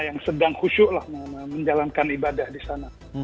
yang sedang khusyuk lah menjalankan ibadah di sana